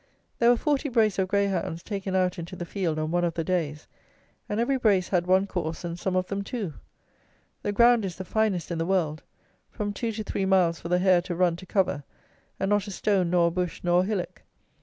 There were forty brace of greyhounds taken out into the field on one of the days, and every brace had one course, and some of them two. The ground is the finest in the world; from two to three miles for the hare to run to cover, and not a stone nor a bush nor a hillock.